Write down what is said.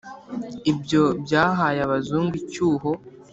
Ibyo byahaye Abazungu icyuho